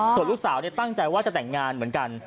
ส่วนลูกสาวตั้งใจว่าจะแต่งงานเหมือนกัน